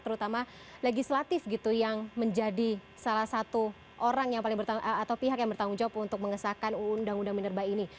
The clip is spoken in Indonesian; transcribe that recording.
terutama legislatif gitu yang menjadi salah satu orang atau pihak yang bertanggung jawab untuk mengesahkan undang undang minar bahasa ini